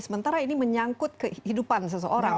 sementara ini menyangkut kehidupan seseorang